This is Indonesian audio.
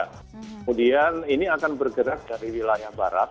kemudian ini akan bergerak dari wilayah barat